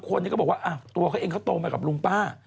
คนนี้ก็บอกว่าตัวเขาเองเขาโตมากับลุงป้า